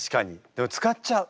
でも使っちゃう。